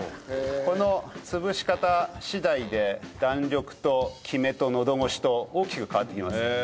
この潰し方次第で弾力ときめとのど越しと大きく変わってきます。